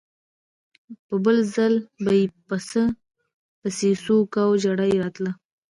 بل ځل به یې پسه پسې څو کاوه ژړا یې راتله.